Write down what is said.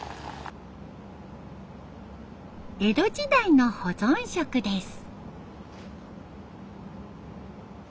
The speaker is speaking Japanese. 江戸時代の保存食です。